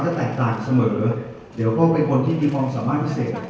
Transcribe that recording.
ถ้าแตกต่างเสมอเดี๋ยวพ่อเป็นคนที่มีความสามารถพิเศษ